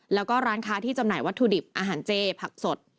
แล้วก็ร้านค้าที่จำหน่ายวัตถุดิบอาหารเจผักสด